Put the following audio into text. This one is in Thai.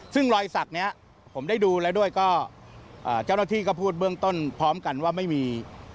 ซึ่งรอยสักนี้ผมได้ดูแล้วด้วยก็เจ้าหน้าที่ก็พูดเบื้องต้นพร้อมกันว่าไม่มี